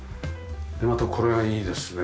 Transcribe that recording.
でまたこれがいいですね。